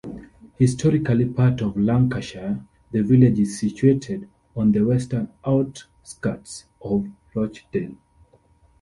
Historically part of Lancashire, the village is situated on the western outskirts of Rochdale.